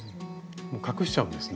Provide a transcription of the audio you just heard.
隠しちゃうんですね。